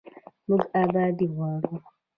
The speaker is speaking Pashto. موږ ابادي غواړو